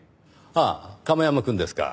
ああ亀山くんですか？